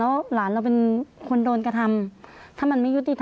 แล้วก็ย้ำว่าจะเดินหน้าเรียกร้องความยุติธรรมให้ถึงที่สุด